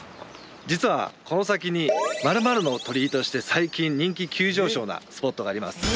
実はこの先に「○○の鳥居」として最近人気急上昇なスポットがあります